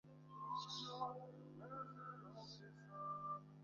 তোরা দুজনে কি ভেবেছিলি আমি তার আত্মহত্যা মিস করব?